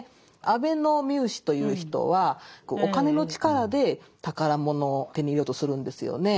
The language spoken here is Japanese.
阿部御主人という人はお金の力で宝物を手に入れようとするんですよね。